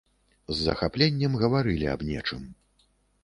З захапленнем гаварылі аб нечым.